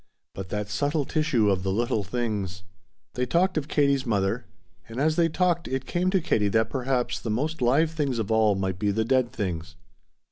But that subtle tissue of the little things! They talked of Katie's mother, and as they talked it came to Katie that perhaps the most live things of all might be the dead things.